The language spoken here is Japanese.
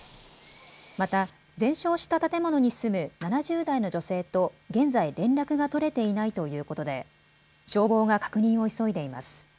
また、全焼した建物に住む７０代の女性と現在、連絡が取れていないということで消防が確認を急いでいます。